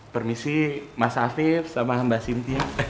permisi mas afif sama mbak sintia